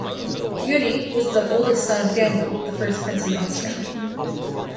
Yury was the oldest son of Daniel, the first prince of Moscow.